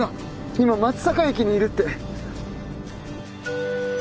今松阪駅にいるって。